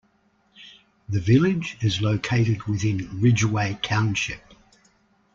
The village is located within Ridgeway Township.